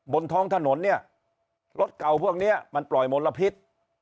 บนท้องถนนเนี่ยรถเก่าพวกนี้มันปล่อยมลพิษ